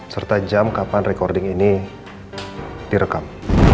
serta jam kapan recording ini direkam